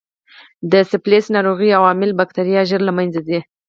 د سفلیس ناروغۍ عامل بکټریا ژر له منځه ځي.